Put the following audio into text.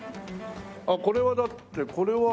あっこれはだってこれは。